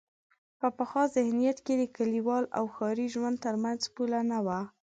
په پخواني ذهنیت کې د کلیوال او ښاري ژوند تر منځ پوله نه وه.